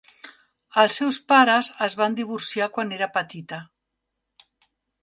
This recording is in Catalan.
Els seus pares es van divorciar quan era petita.